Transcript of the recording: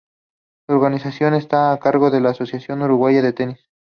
Su organización está a cargo de la Asociación Uruguaya de Tenis.